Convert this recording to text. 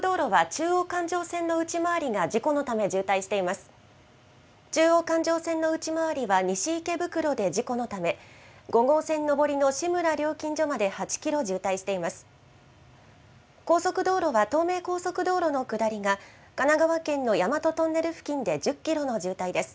中央環状線の内回りは西池袋で事故のため、５号線上りの志村料金所まで８キロ渋滞しています。